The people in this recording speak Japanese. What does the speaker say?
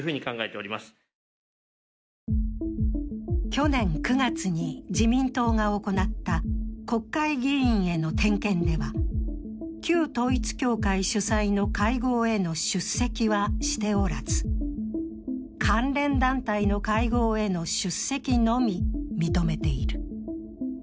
去年９月に自民党が行った国会議員への点検では旧統一教会主催の会合への出席はしておらず、関連団体の会合への出席のみ認めている。